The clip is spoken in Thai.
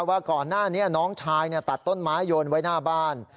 ว่าก่อนหน้านี้น้องชายตัดต้นไม้โยนไว้หน้าบ้าน